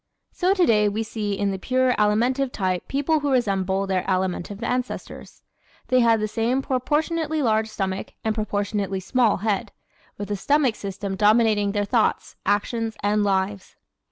So today we see in the pure Alimentive type people who resemble their Alimentive ancestors. They have the same proportionately large stomach and proportionately small head, with the stomach system dominating their thoughts, actions and lives.